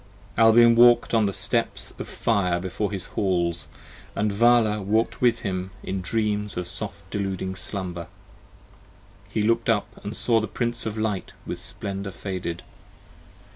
Albion walk'd on the steps of fire before his Halls, And Vala walk'd with him in dreams of soft deluding slumber. 35 He looked up & saw the Prince of Light with splendor faded.